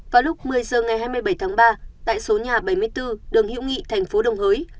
vào lúc một mươi h ngày hai mươi bảy tháng ba tại số nhà bảy mươi bốn đường hiệu nghị tp đồng hới